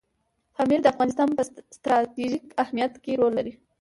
پامیر د افغانستان په ستراتیژیک اهمیت کې رول لري.